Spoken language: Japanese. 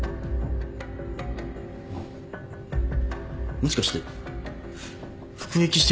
もしかして服役してた人？